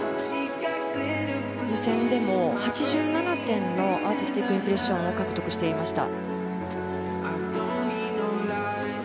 予選でも８７点のアーティスティックインプレッションを獲得していました。